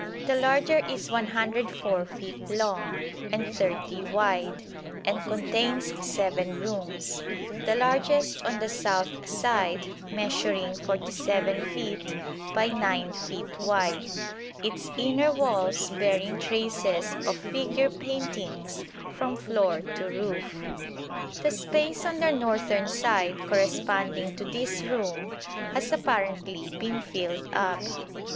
The larger is 104 feet long and 30 wide, and contains seven rooms, the largest on the south side measuring 47 feet by 9 feet wide, its inner walls bearing traces of figure paintings from floor to roof. The space on the northern side corresponding to this room has apparently been filled up.